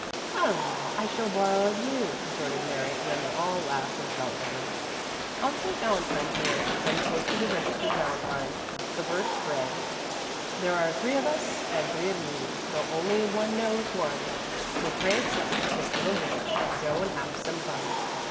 "Oh no, I shall borrow of you," retorted Mary, and then they all laughed and felt better. On St. Valentine's morning Betty posted a registered valentine. The verse read: "There are three of us and three of you, Though only one knows one, So pray accept this little gift And go and have some fun."